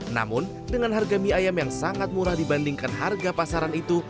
namun dengan harga mie ayam yang sangat murah dibandingkan harga pasaran itu